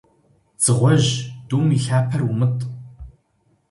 Дзыгъуэжь, дум и лъапэр умытӀ.